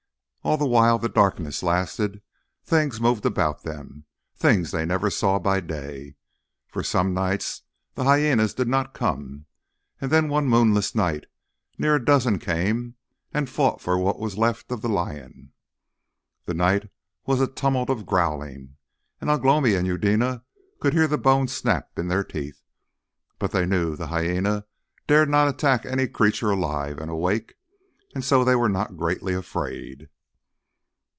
All the while the darkness lasted things moved about them, things they never saw by day. For some nights the hyænas did not come, and then one moonless night near a dozen came and fought for what was left of the lion. The night was a tumult of growling, and Ugh lomi and Eudena could hear the bones snap in their teeth. But they knew the hyæna dare not attack any creature alive and awake, and so they were not greatly afraid.